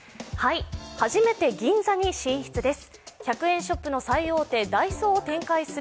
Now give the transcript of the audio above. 初めて銀座に進出です。